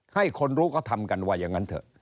ให้คนรู้ก็ทำกันว่าอย่างนั้นเถอะ